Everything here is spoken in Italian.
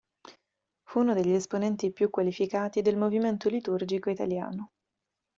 Fu uno degli esponenti più qualificati del movimento liturgico italiano.